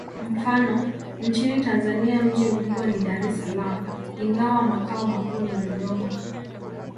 Mfano: nchini Tanzania mji mkubwa ni Dar es Salaam, ingawa makao makuu ni Dodoma.